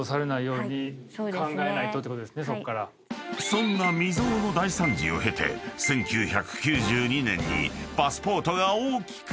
［そんな未曽有の大惨事を経て１９９２年にパスポートが大きく進化］